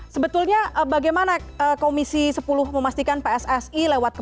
sebetulnya bagaimana komisi sepuluh memastikan pssi lewat